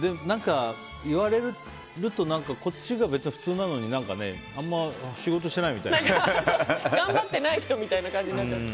言われるとこっちが別に普通なのに何か、あまり仕事してないみたいな。頑張ってみたいな人みたいな感じになっちゃう。